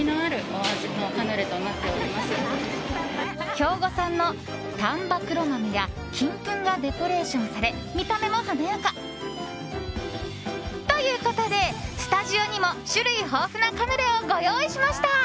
兵庫産の丹波黒豆や金粉がデコレーションされ見た目も華やか。ということで、スタジオにも種類豊富なカヌレをご用意しました。